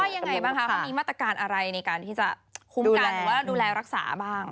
ยังไงบ้างคะเขามีมาตรการอะไรในการที่จะคุ้มกันหรือว่าดูแลรักษาบ้าง